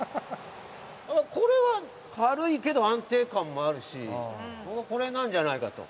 これは軽いけど安定感もあるし僕はこれなんじゃないかと。